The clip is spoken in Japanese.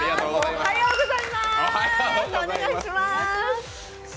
おはようございます！